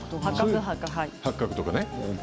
八角とかね。